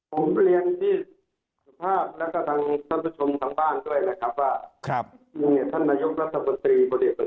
ผมเรียนที่สภาพและกระทั่งท่านผู้ชมทั้งบ้านด้วยนะครับว่า